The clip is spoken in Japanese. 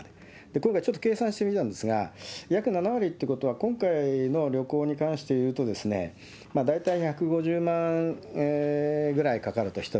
今回ちょっと計算してみたんですが、約７割ということは今回の旅行に関していうと、大体１５０万ぐらいかかると、１人。